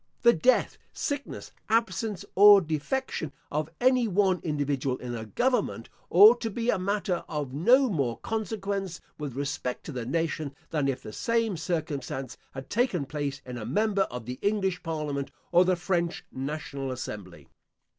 The death, sickness, absence or defection, of any one individual in a government, ought to be a matter of no more consequence, with respect to the nation, than if the same circumstance had taken place in a member of the English Parliament, or the French National Assembly.